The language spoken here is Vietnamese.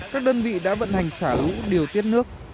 các đơn vị đã vận hành xả lũ điều tiết nước